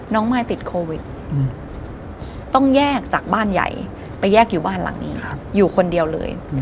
มายติดโควิดต้องแยกจากบ้านใหญ่ไปแยกอยู่บ้านหลังนี้อยู่คนเดียวเลย